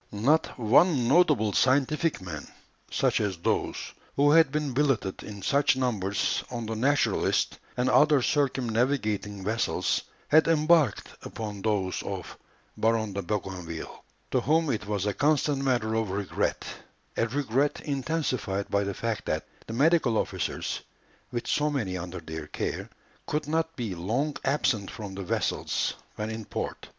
Not one notable scientific man, such as those who had been billeted in such numbers on the Naturalist and other circumnavigating vessels, had embarked upon those of Baron de Bougainville, to whom it was a constant matter of regret, a regret intensified by the fact that the medical officers, with so many under their care, could not be long absent from the vessels when in port.